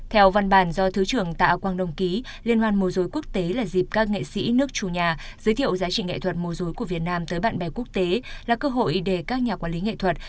theo văn bản do thứ trưởng tạ quang đồng ký liên hoan mô dối quốc tế là dịp các nghệ sĩ nước chủ nhà giới thiệu giá trị nghệ thuật mô dối của việt nam tới bạn bè quốc tế là cơ hội để các nhà quản lý nghệ thuật